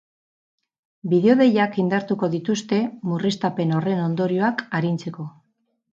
Bideodeiak indartuko dituzte, murriztapen horren ondorioak arintzeko.